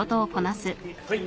はい。